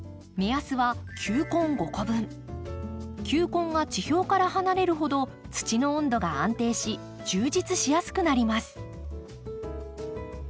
球根が地表から離れるほど土の温度が安定し充実しやすくなります。